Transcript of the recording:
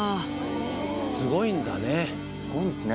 すごいんですね